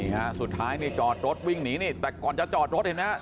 ฮะสุดท้ายนี่จอดรถวิ่งหนีนี่แต่ก่อนจะจอดรถเห็นไหมฮะ